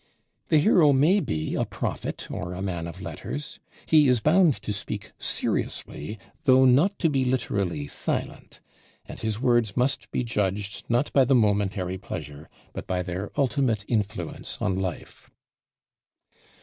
The hero may be a prophet, or a man of letters. He is bound to speak seriously, though not to be literally silent; and his words must be judged not by the momentary pleasure, but by their ultimate influence on life.